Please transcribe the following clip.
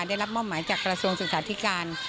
ได้รับมอบหมายจากกระทรวงศึกษาธิการ